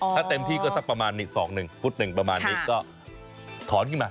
ถ้าเต็มที่ก็สักประมาณอีก๒หนึ่งฟุตหนึ่งประมาณนี้ก็ถอนขึ้นมา